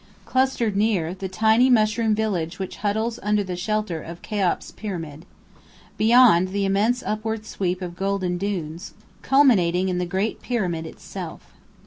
Clustered near, the tiny mushroom village which huddles under the shelter of Cheops' Pyramid. Beyond, the immense upward sweep of golden dunes, culminating in the Great Pyramid itself.